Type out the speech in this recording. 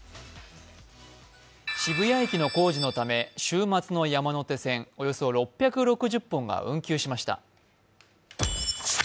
渋谷駅の工事のため、週末の山手線、およそ６６０本が運休しました。